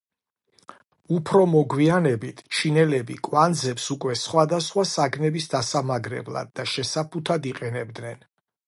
უფრო მოგვიანებით, ჩინელები კვანძებს უკვე სხვადასხვა საგნების დასამაგრებლად და შესაფუთად იყენებდნენ.